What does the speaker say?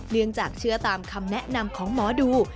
เนื่องจากเชื่อตามคำแนะนำของหมอดู